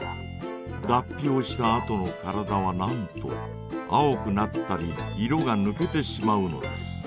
だっぴをしたあとの体はなんと青くなったり色がぬけてしまうのです。